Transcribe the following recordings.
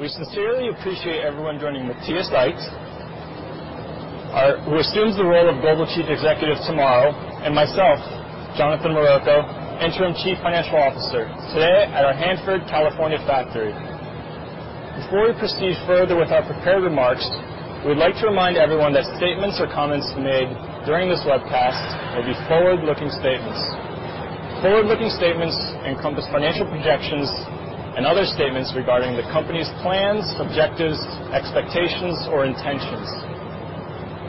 We sincerely appreciate everyone joining Matthias Aydt, our who assumes the role of Global Chief Executive tomorrow, and myself, Jonathan Maroko, Interim Chief Financial Officer, today at our Hanford, California factory. Before we proceed further with our prepared remarks, we'd like to remind everyone that statements or comments made during this webcast will be forward-looking statements. Forward-looking statements encompass financial projections and other statements regarding the company's plans, objectives, expectations, or intentions.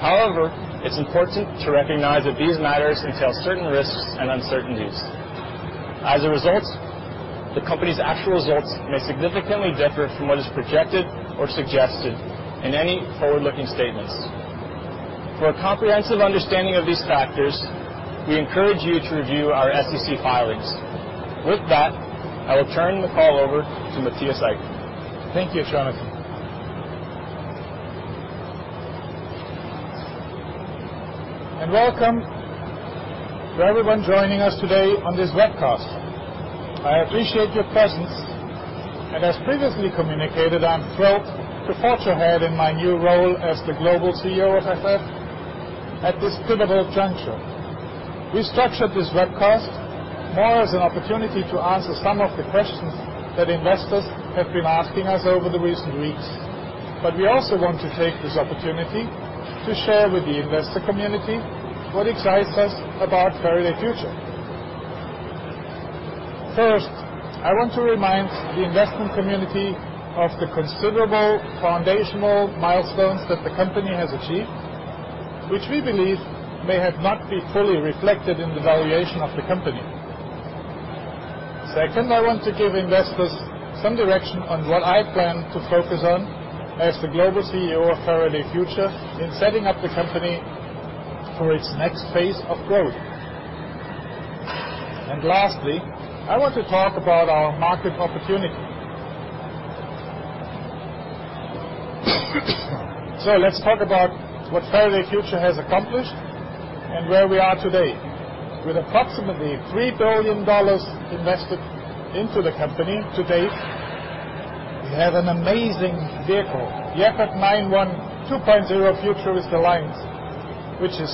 However, it's important to recognize that these matters entail certain risks and uncertainties. As a result, the company's actual results may significantly differ from what is projected or suggested in any forward-looking statements. For a comprehensive understanding of these factors, we encourage you to review our SEC filings. With that, I will turn the call over to Matthias Aydt. Thank you, Jonathan. Welcome to everyone joining us today on this webcast. I appreciate your presence, and as previously communicated, I'm thrilled to forge ahead in my new role as the Global CEO of FF at this pivotal juncture. We structured this webcast more as an opportunity to answer some of the questions that investors have been asking us over the recent weeks. We also want to take this opportunity to share with the investor community what excites us about Faraday Future. First, I want to remind the investment community of the considerable foundational milestones that the company has achieved, which we believe may have not been fully reflected in the valuation of the company. Second, I want to give investors some direction on what I plan to focus on as the Global CEO of Faraday Future in setting up the company for its next phase of growth. Lastly, I want to talk about our market opportunity. Let's talk about what Faraday Future has accomplished and where we are today. With approximately $3 billion invested into the company to date, we have an amazing vehicle, the FF 91 2.0 Futurist Alliance, which is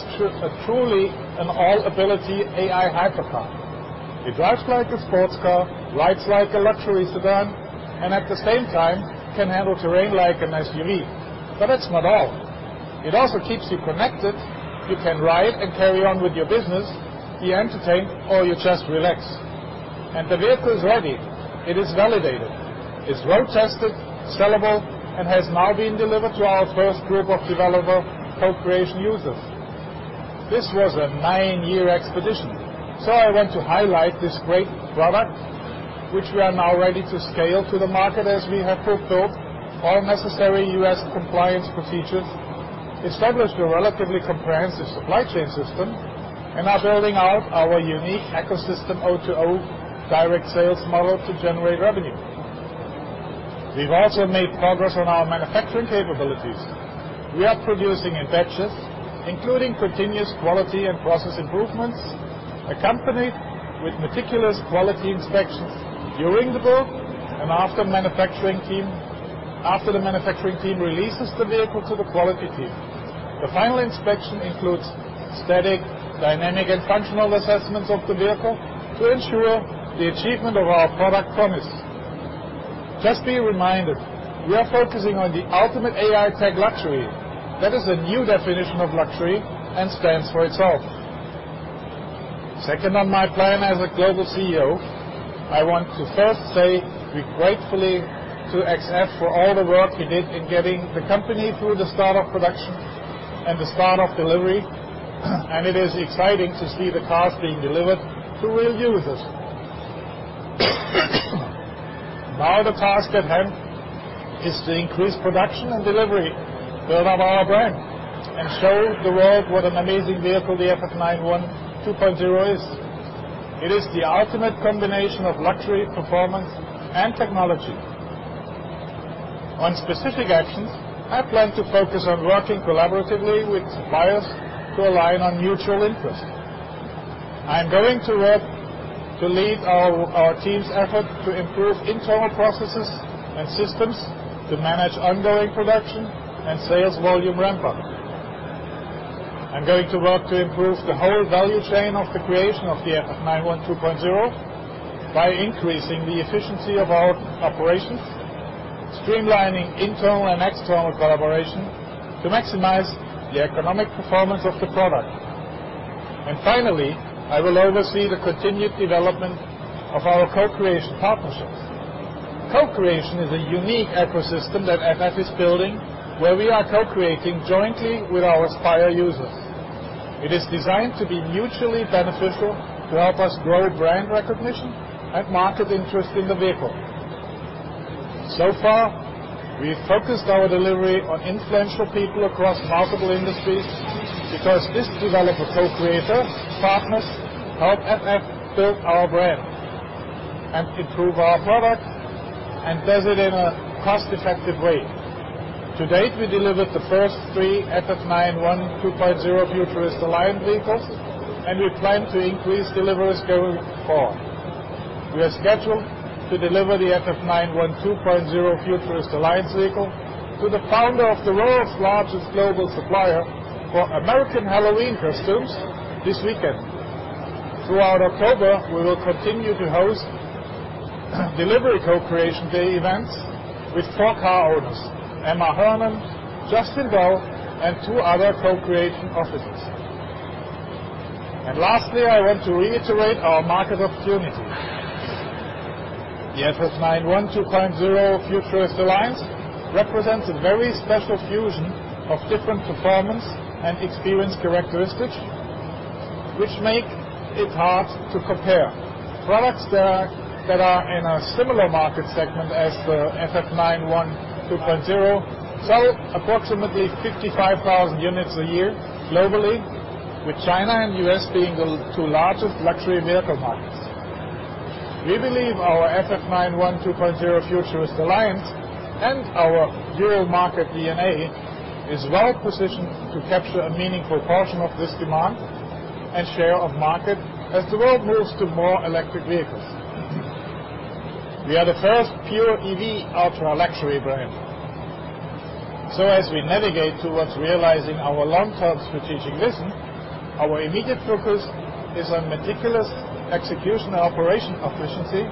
truly an all-ability AI hypercar. It drives like a sports car, rides like a luxury sedan, and at the same time, can handle terrain like an SUV. But that's not all. It also keeps you connected. You can ride and carry on with your business, be entertained, or you just relax. The vehicle is ready. It is validated. It's road-tested, sellable, and has now been delivered to our first group of Developer Co-Creation users. This was a nine-year expedition, so I want to highlight this great product, which we are now ready to scale to the market as we have fulfilled all necessary US compliance procedures, established a relatively comprehensive supply chain system, and are building out our unique ecosystem, O2O direct sales model to generate revenue. We've also made progress on our manufacturing capabilities. We are producing in batches, including continuous quality and process improvements, accompanied with meticulous quality inspections during the build and after the manufacturing team releases the vehicle to the quality team. The final inspection includes static, dynamic, and functional assessments of the vehicle to ensure the achievement of our product promise. Just be reminded, we are focusing on the Ultimate AI TechLuxury. That is a new definition of luxury and stands for itself. Second, on my plan as a global CEO, I want to first say we are grateful to XF for all the work he did in getting the company through the start of production and the start of delivery, and it is exciting to see the cars being delivered to real users. Now, the task at hand is to increase production and delivery, build up our brand, and show the world what an amazing vehicle the FF 91 2.0 is. It is the ultimate combination of luxury, performance, and technology. On specific actions, I plan to focus on working collaboratively with buyers to align on mutual interest. I am going to work to lead our team's effort to improve internal processes and systems to manage ongoing production and sales volume ramp-up. I'm going to work to improve the whole value chain of the creation of the FF 91 2.0 by increasing the efficiency of our operations, streamlining internal and external collaboration to maximize the economic performance of the product. Finally, I will oversee the continued development of our co-creation partnerships. Co-creation is a unique ecosystem that FF is building, where we are co-creating jointly with our Spire users. It is designed to be mutually beneficial to help us grow brand recognition and market interest in the vehicle. So far, we've focused our delivery on influential people across multiple industries because this Developer Co-Creation partners help FF build our brand and improve our product, and does it in a cost-effective way.... To date, we delivered the first three FF 91 2.0 Futurist Alliance vehicles, and we plan to increase deliveries going forward. We are scheduled to deliver the FF 91 2.0 Futurist Alliance vehicle to the founder of the world's largest global supplier for American Halloween costumes this weekend. Throughout October, we will continue to host delivery Co-Creation day events with four car owners, Emma Hernan, Justin Bell, and two other Co-Creation Officers. And lastly, I want to reiterate our market opportunity. The FF 91 2.0 Futurist Alliance represents a very special fusion of different performance and experience characteristics, which make it hard to compare. Products that are, that are in a similar market segment as the FF 91 2.0, sell approximately 55,000 units a year globally, with China and U.S. being the two largest luxury vehicle markets. We believe our FF 91 2.0 Futurist Alliance and our Euro market DNA is well-positioned to capture a meaningful portion of this demand and share of market as the world moves to more electric vehicles. We are the first pure EV ultra-luxury brand. So as we navigate towards realizing our long-term strategic vision, our immediate focus is on meticulous execution and operation efficiency,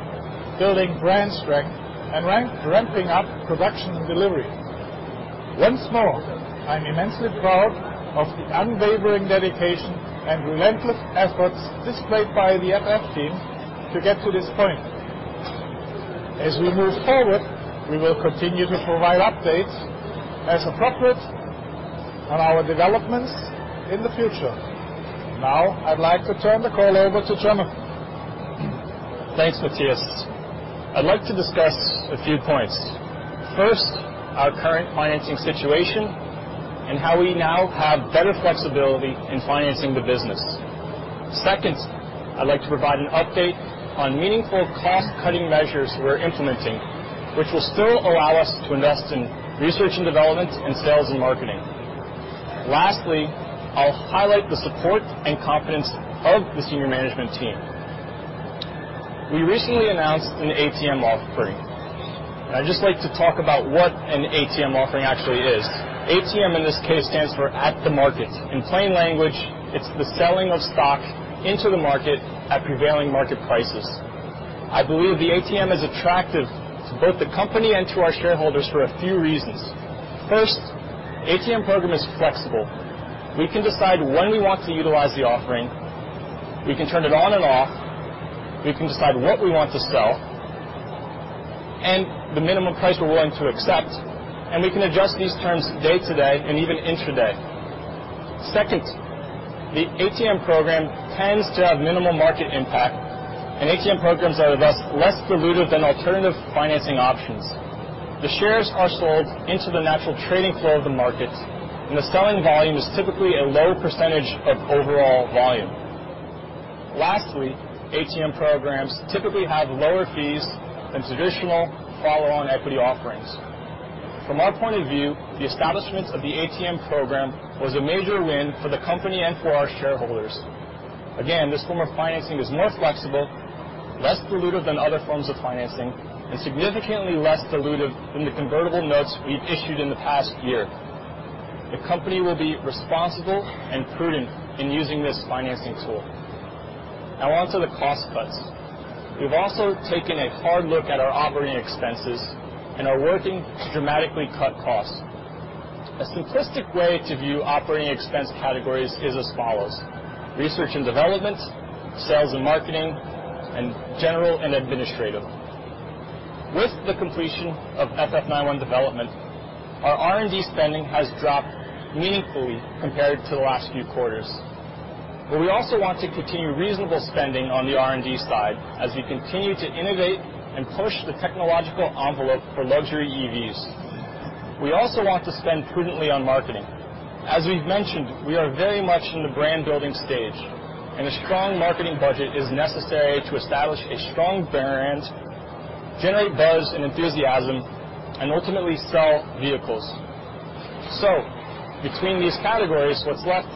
building brand strength, and ramping up production and delivery. Once more, I'm immensely proud of the unwavering dedication and relentless efforts displayed by the FF team to get to this point. As we move forward, we will continue to provide updates as appropriate on our developments in the future. Now, I'd like to turn the call over to Jonathan. Thanks, Matthias. I'd like to discuss a few points. First, our current financing situation and how we now have better flexibility in financing the business. Second, I'd like to provide an update on meaningful cost-cutting measures we're implementing, which will still allow us to invest in research and development and sales and marketing. Lastly, I'll highlight the support and confidence of the senior management team. We recently announced an ATM offering, and I'd just like to talk about what an ATM offering actually is. ATM, in this case, stands for At the Market. In plain language, it's the selling of stock into the market at prevailing market prices. I believe the ATM is attractive to both the company and to our shareholders for a few reasons. First, ATM program is flexible. We can decide when we want to utilize the offering. We can turn it on and off. We can decide what we want to sell and the minimum price we're willing to accept, and we can adjust these terms day to day and even intraday. Second, the ATM program tends to have minimal market impact, and ATM programs are thus less dilutive than alternative financing options. The shares are sold into the natural trading flow of the markets, and the selling volume is typically a low percentage of overall volume. Lastly, ATM programs typically have lower fees than traditional follow-on equity offerings. From our point of view, the establishment of the ATM program was a major win for the company and for our shareholders. Again, this form of financing is more flexible, less dilutive than other forms of financing, and significantly less dilutive than the convertible notes we've issued in the past year. The company will be responsible and prudent in using this financing tool. Now on to the cost cuts. We've also taken a hard look at our operating expenses and are working to dramatically cut costs. A simplistic way to view operating expense categories is as follows: research and development, sales and marketing, and general and administrative. With the completion of FF 91 development, our R&D spending has dropped meaningfully compared to the last few quarters. But we also want to continue reasonable spending on the R&D side as we continue to innovate and push the technological envelope for luxury EVs. We also want to spend prudently on marketing. As we've mentioned, we are very much in the brand-building stage, and a strong marketing budget is necessary to establish a strong brand, generate buzz and enthusiasm, and ultimately sell vehicles. So between these categories, what's left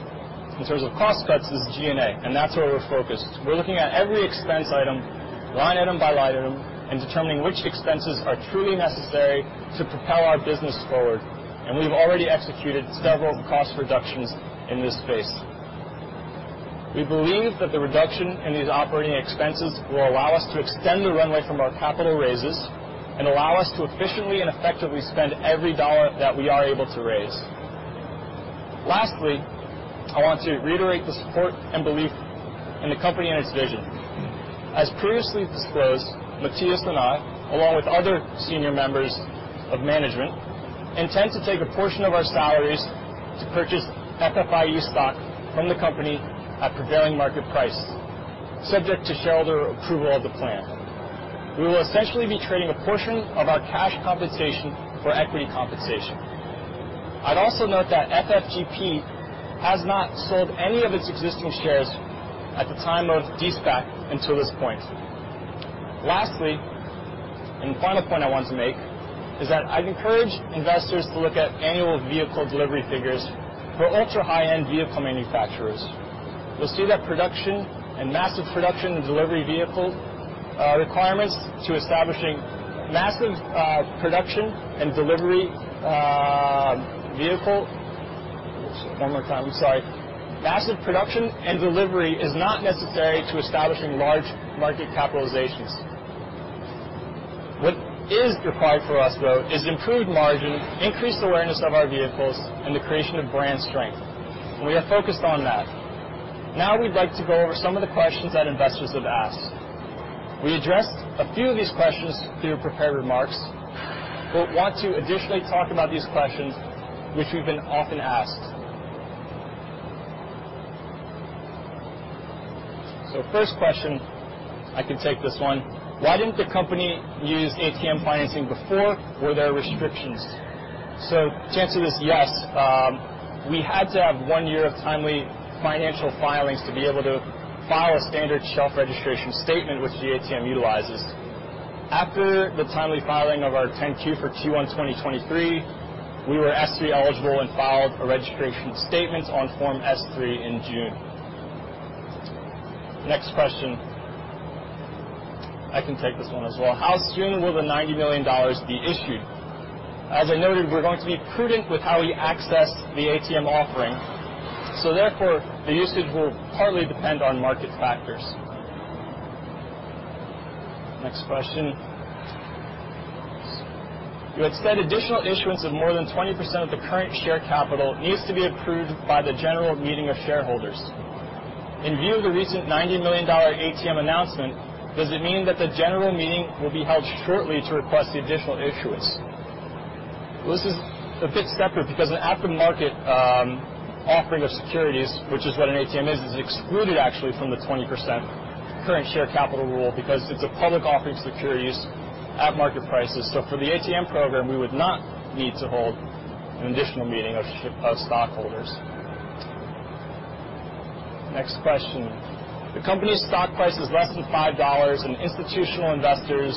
in terms of cost cuts is G&A, and that's where we're focused. We're looking at every expense item, line item by line item, and determining which expenses are truly necessary to propel our business forward, and we've already executed several cost reductions in this space. We believe that the reduction in these operating expenses will allow us to extend the runway from our capital raises and allow us to efficiently and effectively spend every dollar that we are able to raise. Lastly, I want to reiterate the support and belief in the company and its vision. As previously disclosed, Matthias and I, along with other senior members of management, intend to take a portion of our salaries to purchase FFIE stock from the company at prevailing market price, subject to shareholder approval of the plan. We will essentially be trading a portion of our cash compensation for equity compensation. I'd also note that FFGP has not sold any of its existing shares at the time of de-SPAC until this point. Lastly, final point I want to make, is that I'd encourage investors to look at annual vehicle delivery figures for ultra high-end vehicle manufacturers. You'll see that production and massive production and delivery vehicle requirements to establishing massive production and delivery vehicle. One more time, sorry. Massive production and delivery is not necessary to establishing large market capitalizations. What is required for us, though, is improved margin, increased awareness of our vehicles, and the creation of brand strength. We are focused on that. Now we'd like to go over some of the questions that investors have asked. We addressed a few of these questions through prepared remarks, but want to additionally talk about these questions, which we've been often asked. So first question, I can take this one: Why didn't the company use ATM financing before? Were there restrictions? So the answer is yes. We had to have 1 year of timely financial filings to be able to file a standard shelf registration statement, which the ATM utilizes. After the timely filing of our 10-Q for Q1 2023, we were S-3 eligible and filed a registration statement on Form S-3 in June. Next question. I can take this one as well. How soon will the $90 million be issued? As I noted, we're going to be prudent with how we access the ATM offering, so therefore, the usage will partly depend on market factors. Next question. You had said additional issuance of more than 20% of the current share capital needs to be approved by the general meeting of shareholders.In view of the recent $90 million ATM announcement, does it mean that the general meeting will be held shortly to request the additional issuance? Well, this is a bit separate because an at-the-market offering of securities, which is what an ATM is, is excluded actually from the 20% current share capital rule because it's a public offering of securities at market prices. So for the ATM program, we would not need to hold an additional meeting of stockholders. Next question. The company's stock price is less than $5, and institutional investors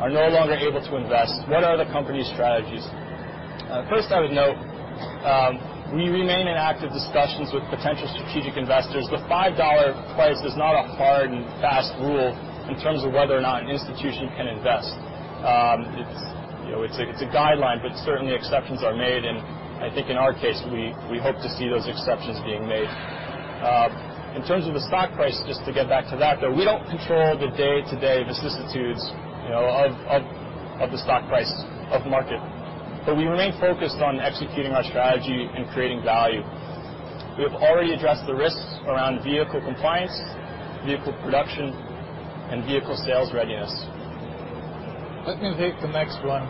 are no longer able to invest. What are the company's strategies? First, I would note, we remain in active discussions with potential strategic investors. The $5 price is not a hard and fast rule in terms of whether or not an institution can invest. You know, it's a guideline, but certainly exceptions are made, and I think in our case, we hope to see those exceptions being made. In terms of the stock price, just to get back to that, though, we don't control the day-to-day vicissitudes, you know, of the stock price or market, but we remain focused on executing our strategy and creating value. We have already addressed the risks around vehicle compliance, vehicle production, and vehicle sales readiness. Let me take the next one.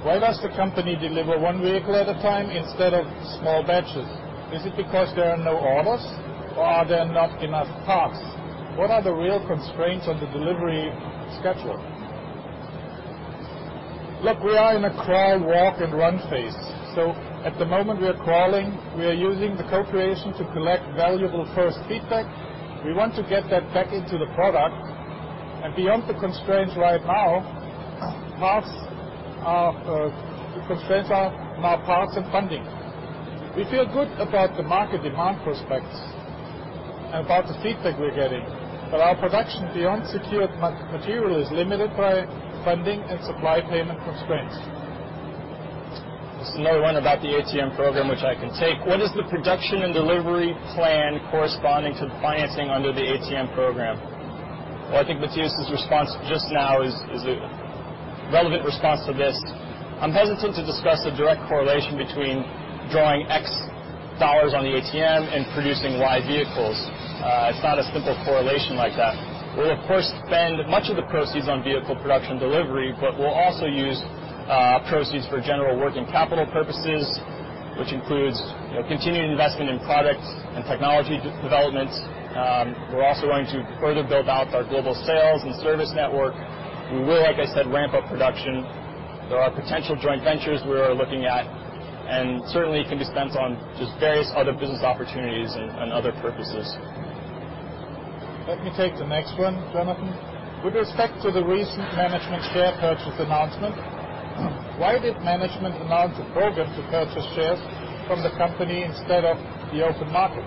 Why does the company deliver one vehicle at a time instead of small batches? Is it because there are no orders, or are there not enough parts? What are the real constraints on the delivery schedule? Look, we are in a crawl, walk, and run phase. So at the moment, we are crawling. We are using the Co-Creation to collect valuable first feedback. We want to get that back into the product and beyond the constraints right now, parts are the constraints: more parts and funding. We feel good about the market demand prospects and about the feedback we're getting, but our production beyond secured material is limited by funding and supply payment constraints. There's another one about the ATM program, which I can take. What is the production and delivery plan corresponding to the financing under the ATM program? Well, I think Matthias's response just now is a relevant response to this. I'm hesitant to discuss the direct correlation between drawing X dollars on the ATM and producing Y vehicles. It's not a simple correlation like that. We'll, of course, spend much of the proceeds on vehicle production delivery, but we'll also use proceeds for general working capital purposes, which includes, you know, continuing investment in product and technology development. We're also going to further build out our global sales and service network. We will, like I said, ramp up production. There are potential joint ventures we are looking at, and certainly, it can be spent on just various other business opportunities and other purposes. Let me take the next one, Jonathan. With respect to the recent management share purchase announcement, why did management announce a program to purchase shares from the company instead of the open market?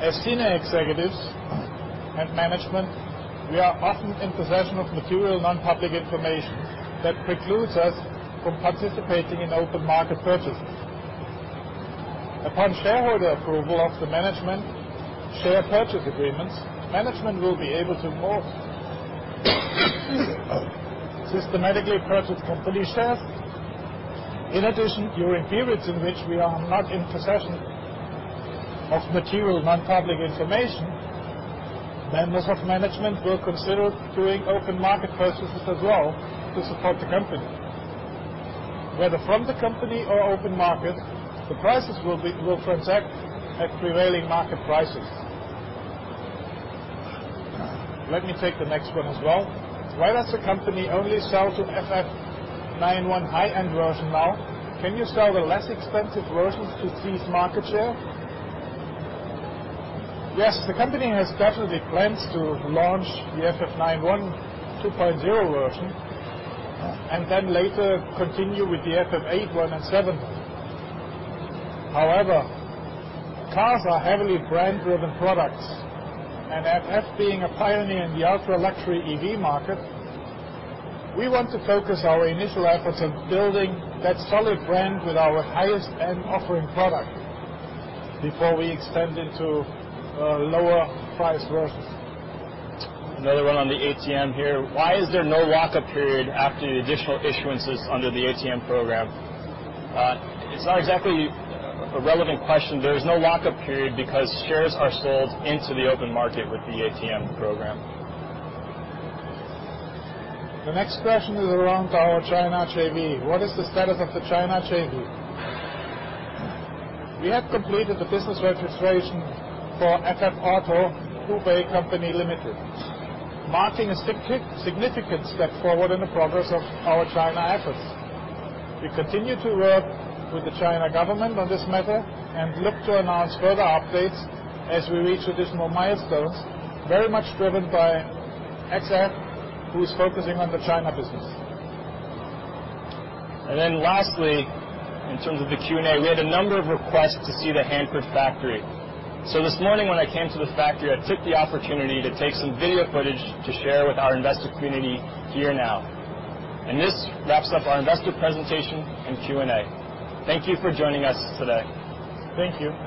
As senior executives and management, we are often in possession of material, non-public information that precludes us from participating in open market purchases. Upon shareholder approval of the management share purchase agreements, management will be able to more systematically purchase company shares. In addition, during periods in which we are not in possession of material, non-public information, members of management will consider doing open market purchases as well to support the company. Whether from the company or open market, the prices will transact at prevailing market prices. Let me take the next one as well. Why does the company only sell to FF 91 high-end version now? Can you sell the less expensive versions to seize market share?... Yes, the company has stated it plans to launch the FF 91 2.0 version, and then later continue with the FF 81 and 71. However, cars are heavily brand-driven products, and FF being a pioneer in the ultra-luxury EV market, we want to focus our initial efforts on building that solid brand with our highest end offering product before we extend into lower price versions. Another one on the ATM here: Why is there no lock-up period after the additional issuances under the ATM program? It's not exactly a relevant question. There is no lock-up period because shares are sold into the open market with the ATM program. The next question is around our China JV. What is the status of the China JV? We have completed the business registration for FF Auto (Hubei) Company Limited, marking a significant step forward in the progress of our China efforts. We continue to work with the China government on this matter and look to announce further updates as we reach additional milestones, very much driven by XF, who is focusing on the China business. Then lastly, in terms of the Q&A, we had a number of requests to see the Hanford factory. This morning, when I came to the factory, I took the opportunity to take some video footage to share with our investor community here now. This wraps up our investor presentation and Q&A. Thank you for joining us today. Thank you.